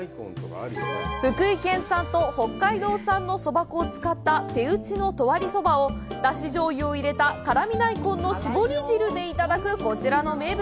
福井県産と北海道産のそば粉を使った手打ちの十割そばを出汁醤油を入れた辛味大根の絞り汁でいただくこちらの名物。